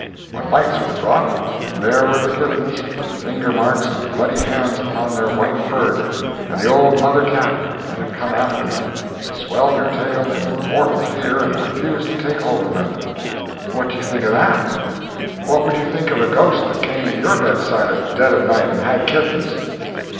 When lights were brought, there were the kittens, with the finger marks of bloody hands upon their white fur—and the old mother cat, that had come after them, swelled her tail in mortal fear and refused to take hold of them. What do you think of that? what would you think of a ghost that came to your bedside at dead of night and had kittens?